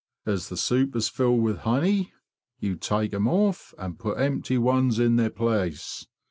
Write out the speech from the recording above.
As the supers fill with honey you take them off and put empty ones in their place.